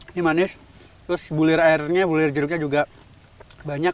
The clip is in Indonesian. ini manis terus bulir airnya bulir jeruknya juga banyak